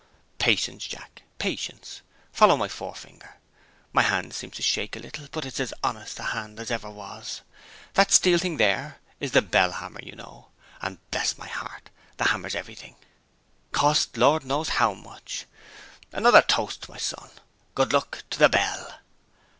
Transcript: "Patience, Jack patience. Follow my fore finger. My hand seems to shake a little; but it's as honest a hand as ever was. That steel thing there, is the bell hammer, you know. And, bless your heart, the hammer's everything. Cost, Lord knows how much. Another toast, my son. Good luck to the bell!"